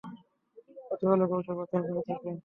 আমার প্রতিপালক অবশ্যই প্রার্থনা শুনে থাকেন।